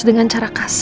aduh aduh aduh